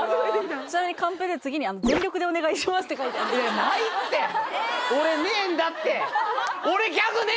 ちなみにカンペで次に「全力でお願いします」って書いてあるいやいや俺ねえんだって！